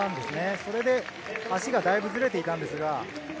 それで足がずれていたんですが。